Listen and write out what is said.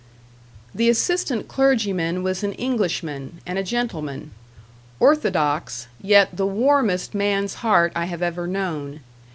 The assistant clergyman was an Englishman, and a gentleman; orthodox, yet the warmest man's heart I have ever known.